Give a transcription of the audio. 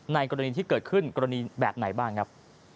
กรณีที่เกิดขึ้นกรณีแบบไหนบ้างครับ